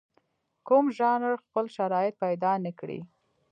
کوم ژانر خپل شرایط پیدا نکړي.